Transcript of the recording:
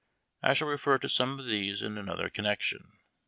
I shall refer to some of these in another connection.